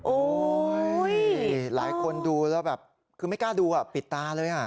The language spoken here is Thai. หลายคนดูแล้วแบบคือไม่กล้าดูอ่ะปิดตาเลย